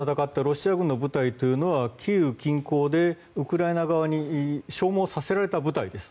キーウで戦ったロシア軍の部隊はキーウ近郊でウクライナ側に消耗させられた部隊です。